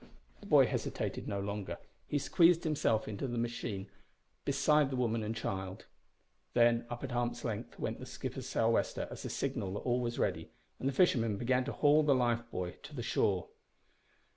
The boy hesitated no longer. He squeezed himself into the machine beside the woman and child. Then up at arm's length went the skipper's sou' wester as a signal that all was ready, and the fishermen began to haul the life buoy to the shore.